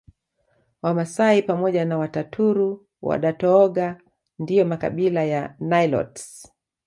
Wamasai pamoja na Wataturu Wadatooga ndio makabila ya Nilotes